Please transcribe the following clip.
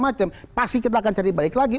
macem pasti kita akan cari balik lagi